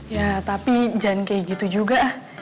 ya tapi jangan kayak gitu juga